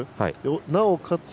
なおかつ